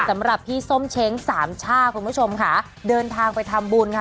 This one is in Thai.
สำหรับพี่ส้มเช้งสามช่าคุณผู้ชมค่ะเดินทางไปทำบุญค่ะ